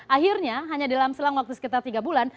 akhirnya hanya dalam selang waktu sekitar tiga bulan